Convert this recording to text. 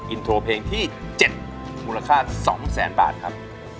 อินโทรเพลงที่๗มูลค่า๒แสนบาทครับ